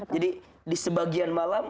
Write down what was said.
jadi di sebagian malam